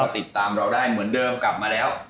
ติดตามเราได้เหมือนเดิมกลับมาแล้ว